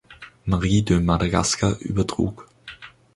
Marie de Madagascar übertrug.